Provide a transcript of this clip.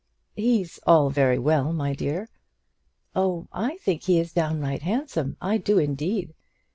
"He's all very well, my dear." "Oh; I think he is downright handsome; I do, indeed.